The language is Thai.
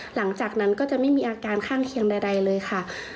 หลังจากนั้นก็จะไม่มีอาการข้างเคียงใดเลยค่ะ